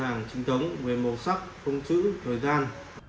về màu sắc phông chữ thời gian